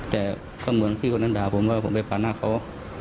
แต่ก็เหมือนพี่คนนั้นด่าผมว่าผมไปปาดหน้าเขา